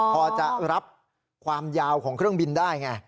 พอจะรับความยาวของเครื่องบินได้ไง